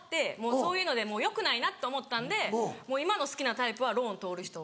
そういうのでよくないなと思ったんでもう今の好きなタイプはローン通る人。